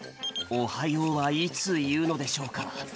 「おはよう」はいついうのでしょうか？